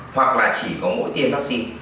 hoặc là chỉ có mỗi tiền vắc xin